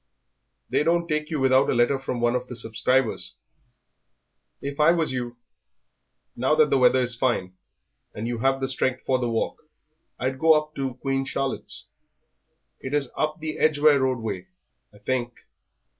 "They don't take you without a letter from one of the subscribers. If I was you, now that the weather is fine and you have strength for the walk, I'd go up to Queen Charlotte's. It is up the Edgware Road way, I think.